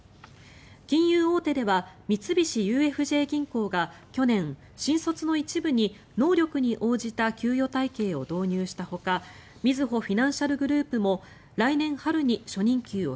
金融大手では三菱ＵＦＪ銀行が去年新卒の一部に能力に応じた給与体系を導入したほかみずほフィナンシャルグループも来年春に初任給を